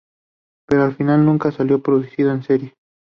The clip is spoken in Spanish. Pero al final nunca salió producido en serie.